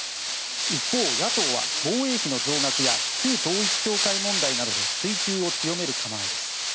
一方、野党は防衛費の増額や旧統一教会問題などで追及を強める構えです。